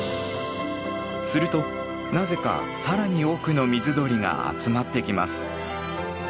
するとなぜか更に多くの水鳥が集まってきます。